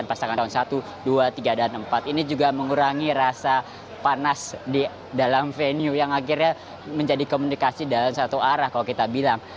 pasangan calon satu dua tiga dan empat ini juga mengurangi rasa panas di dalam venue yang akhirnya menjadi komunikasi dalam satu arah kalau kita bilang